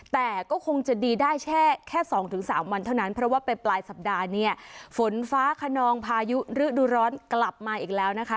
แต่ก็คงจะดีได้แค่๒๓วันเท่านั้นเพราะว่าไปปลายสัปดาห์เนี่ยฝนฟ้าขนองพายุฤดูร้อนกลับมาอีกแล้วนะคะ